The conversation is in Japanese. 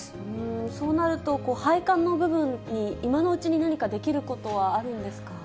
そうなると、配管の部分に今のうちに何かできることはあるんですか？